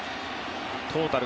トータル